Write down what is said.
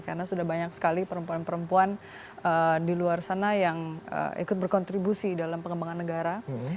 karena sudah banyak sekali perempuan perempuan di luar sana yang ikut berkontribusi dalam pengembangan negara